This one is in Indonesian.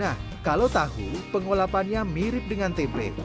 nah kalau tahu pengolapannya mirip dengan tempe